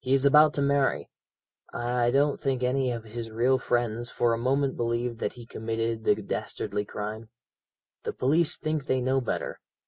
He is about to marry. I don't think any of his real friends for a moment believed that he committed the dastardly crime. The police think they know better.